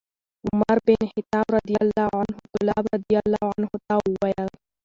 عمر بن الخطاب رضي الله عنه کلاب رضي الله عنه ته وویل: